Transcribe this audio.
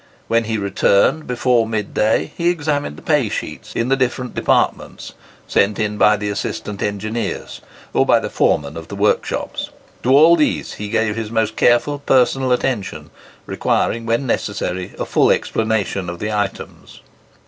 When he returned before mid day, he examined the pay sheets in the different departments, sent in by the assistant engineers, or by the foremen of the workshops. To all these he gave his most careful personal attention, requiring when necessary a full explanation of the items.